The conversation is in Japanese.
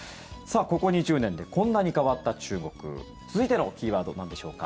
ここ２０年でこんなに変わった中国続いてのキーワードはなんでしょうか。